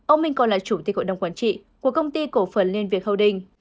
ông minh còn là chủ tịch hội đồng quản trị của công ty cổ phần liên việt holding